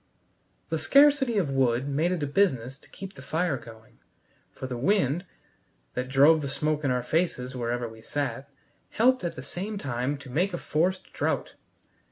The scarcity of wood made it a business to keep the fire going, for the wind, that drove the smoke in our faces wherever we sat, helped at the same time to make a forced draught.